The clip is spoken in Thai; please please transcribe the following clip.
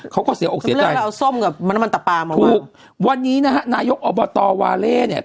เขาก็เสียอกเสียใจแล้วเอาส้มกับมันมันตะปามาว่าถูกวันนี้นะฮะนายกอบตวาเล่เนี่ย